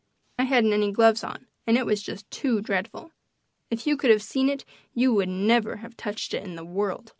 I hadn't any gloves on, and it was just too dreadful. If you could have seen it you would never have touched it in the world.